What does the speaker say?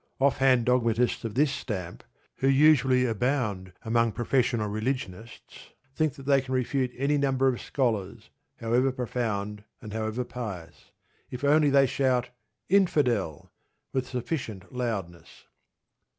Off hand dogmatists of this stamp, who usually abound among professional religionists, think that they can refute any number of scholars, however profound and however pious, if only they shout "Infidel" with sufficient loudness.